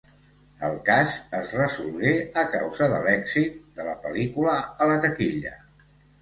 El cas es resolgué a causa de l'èxit de la pel·lícula a la taquilla.